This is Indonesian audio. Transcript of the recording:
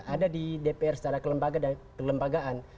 ada di dpr secara kelembagaan